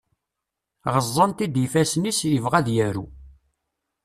Ɣeẓẓan-t-id yifassen-is, yebɣa ad yaru.